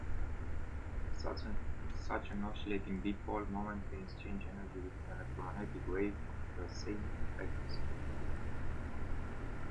Such an oscillating dipole moment can exchange energy with an electromagnetic wave of same frequency.